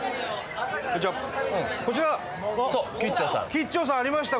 吉兆さんありました。